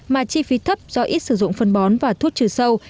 mà chi phí thấp do ít sử dụng phân bón và thuốc trừ sâu